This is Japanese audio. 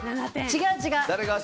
違う、違う。